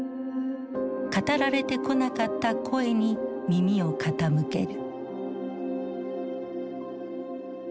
語られてこなかった声に耳を傾ける。